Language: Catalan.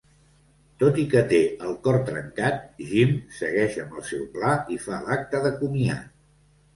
Tot i que té el cor trencat, Jim segueix amb el seu pla i fa l'acte de comiat.